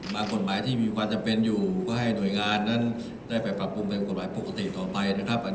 บางค์กฎหมายที่มีความจำเป็นอยู่ก็ให้หน่วยงานนั้นได้ไปปรับปรุงเป็นคไดปกติต่อไป